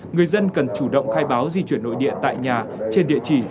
người dân cần chủ động khai báo di chuyển nội địa tại nhà trên địa chỉ